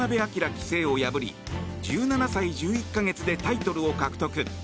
棋聖を破り１７歳１１か月でタイトル獲得。